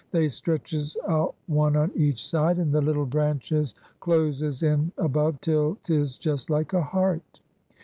They stretches out one on each side, and the little branches closes in above till 'tis just like a heart.